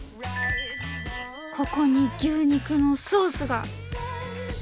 ここに牛肉のソースが！